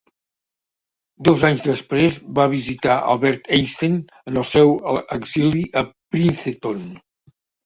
Dos anys després va visitar Albert Einstein en el seu exili a Princeton.